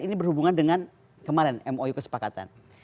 ini berhubungan dengan kemarin mou kesepakatan